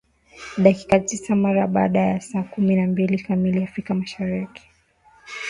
dakika tisa mara baada ya saa kumi na mbili kamili afrika mashariki